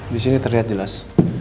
di sini terlihat jelas